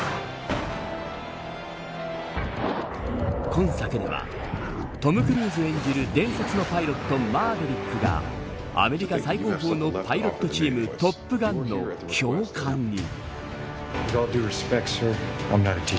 今作では、トム・クルーズ演じる伝説のパイロットマーヴェリックがアメリカ最高峰のパイロットチームトップガンの教官に。